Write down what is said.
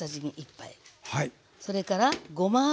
それからごま油。